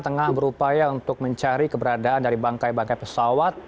tengah berupaya untuk mencari keberadaan dari bangkai bangkai pesawat